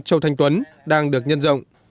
châu thanh tuấn đang được nhân rộng